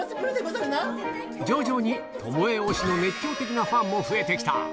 徐々に巴推しの熱狂的なファンも増えてきた。